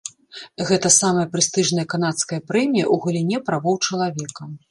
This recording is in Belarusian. Гэта самая прэстыжная канадская прэмія ў галіне правоў чалавека.